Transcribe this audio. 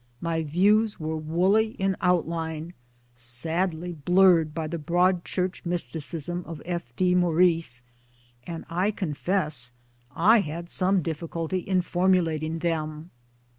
My views were woolly in outline, sadly blurred by the Broad Church mysticism of F. D. Maurice, and I confess I had some difficulty in formulating them.